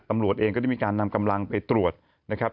ตำรวจเองก็ได้มีการนำกำลังไปตรวจนะครับ